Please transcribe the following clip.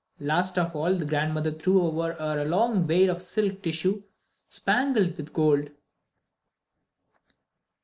Last of all the grandmother threw over her a long veil of silk tissue, spangled with gold.